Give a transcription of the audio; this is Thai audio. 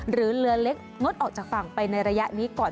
เรือเล็กงดออกจากฝั่งไปในระยะนี้ก่อน